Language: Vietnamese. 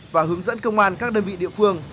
và hướng dẫn công an các đơn vị địa phương